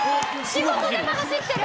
「仕事でも走ってる！」